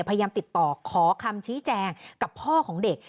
พยายามติดต่อขอคำชี้แจงกับพ่อของเด็ก